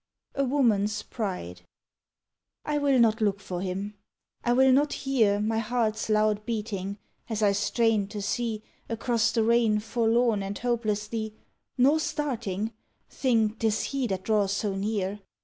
A WOMAN'S PRIDE I will not look for him I will not hear My heart's loud beating, as I strain to see Across the rain forlorn and hopelessly, Nor starting, think 'tis he that draws so near.